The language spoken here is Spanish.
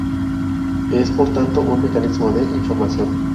Es, por tanto, un mecanismo de información.